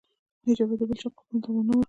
هیچا به د بل چا قابونو ته نه ورکتل.